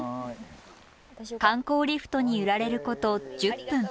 観光リフトに揺られること１０分。